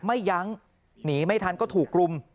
ยั้งหนีไม่ทันก็ถูกรุม